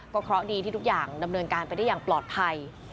เพราะดีที่ทุกอย่างดำเนินการไปได้อย่างปลอดภัย